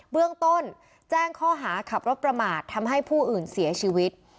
เบื้องต้นแจ้งข้อหาขับรถประมาททำให้ผู้อื่นเสียชีวิต